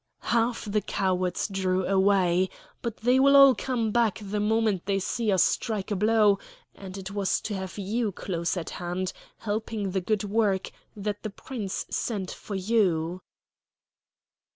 "Half the cowards drew away. But they will all come back the moment they see us strike a blow; and it was to have you close at hand, helping in the good work, that the Prince sent for you."